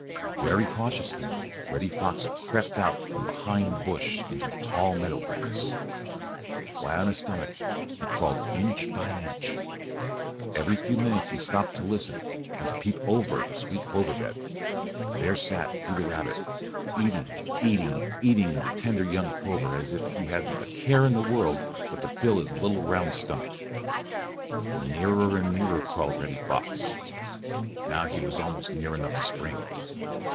Very cautiously Reddy Fox crept out from behind the bush into the tall meadow grass. Flat on his stomach he crawled inch by inch. Every few minutes he stopped to listen and to peep over at the sweet clover bed. There sat Peter Rabbit, eating, eating, eating the tender young clover as if he hadn't a care in the world but to fill his little round stomach. Nearer and nearer crawled Reddy Fox. Now he was almost near enough to spring.